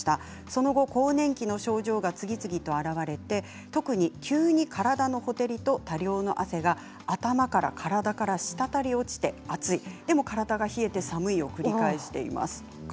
その後、更年期の症状が次々現れ特に急に体のほてりと大量の汗が頭から体から滴り落ちて熱いでも体が冷えて寒いを繰り返しています。